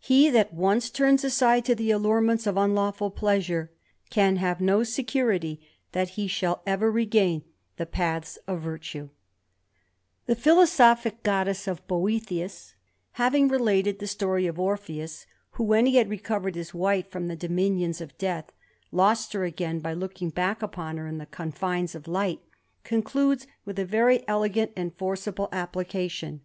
He that once ! to the allurements of unlawful pleasure can have r that he shall ever regain the paths of virtue, losophick goddess of Boethius, having related the rpheus, who, when he had recovered his wife from ins of death, lost her again by looking back 1 the confines of light, concludes with a very , forcible application.